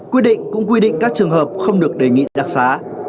quy định cũng quy định các trường hợp không được đề nghị đặc xá